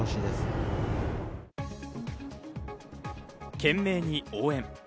懸命に応援。